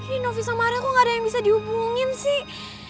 ini novi samaria kok gak ada yang bisa dihubungin sih